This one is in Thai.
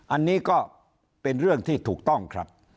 อันนี้ก็เป็นเรื่องที่ถูกต้องครับ